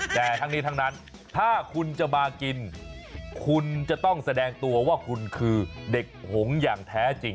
แต่ทั้งนี้ทั้งนั้นถ้าคุณจะมากินคุณจะต้องแสดงตัวว่าคุณคือเด็กหงอย่างแท้จริง